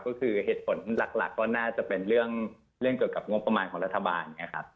ก็คือเหตุผลหลักก็น่าจะเป็นเรื่องเกี่ยวกับงบประมาณของรัฐบาลนะครับ